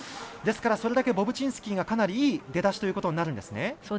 ですから、それだけボブチンスキーがかなりいい出だしということになるんですね。